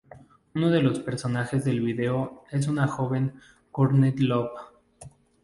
Uno de los personajes del vídeo es una joven Courtney Love.